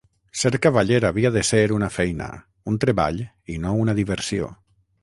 Ser cavaller havia de ser una feina, un treball i no una diversió.